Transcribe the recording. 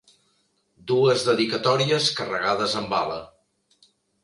Dues dedicatòries carregades amb bala.